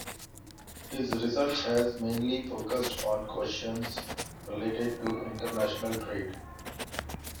His research has mainly focused on questions related to international trade.